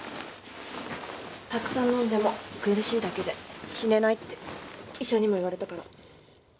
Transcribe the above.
たくさん飲んでも苦しいだけで死ねないって医者にも言われたから。